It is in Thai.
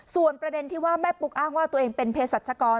ส่วนประเด็นที่ว่าแม่ปุ๊กอ้างว่าตัวเองเป็นเพศรัชกร